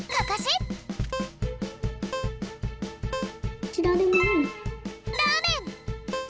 どちらでもない？